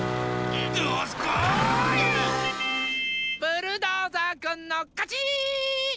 ブルドーザーくんのかち！